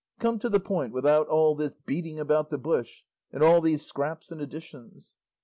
Come to the point without all this beating about the bush, and all these scraps and additions."